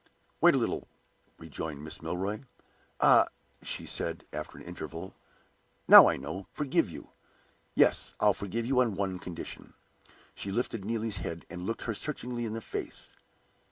"Wait a little," rejoined Mrs. Milroy. "Ah," she said, after an interval, "now I know! Forgive you? Yes; I'll forgive you on one condition." She lifted Neelie's head, and looked her searchingly in the face.